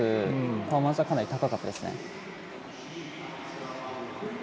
パフォーマンスかなり高かったですね。